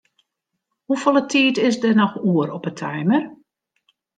Hoefolle tiid is der noch oer op 'e timer?